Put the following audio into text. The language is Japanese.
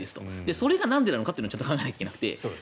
それがなんでなのかってのは考えなきゃいけなくて